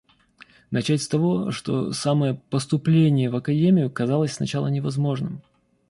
Начать с того, что самое поступление в академию казалось сначала невозможным.